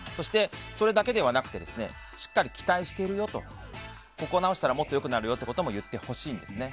それだけでなくてしっかり期待しているよとここを直したらもっと良くなるよということを言ってほしいんですね。